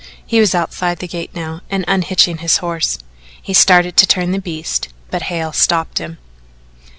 He was outside the gate now and unhitching his horse. He started to turn the beasts but Hale stopped him.